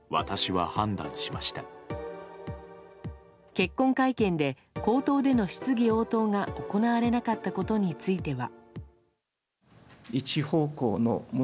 結婚会見で口頭での質疑応答が行われなかったことについては。